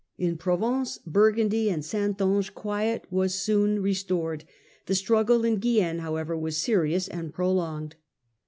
In Provence, Burgundy, and Saintonge quiet was soon restored. The struggle in Guienne however was serious and prolonged.